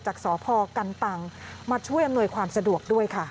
จากสพกันตังมาช่วยอำนวยความสะดวกด้วยค่ะ